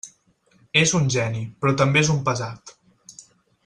És un geni, però també és un pesat.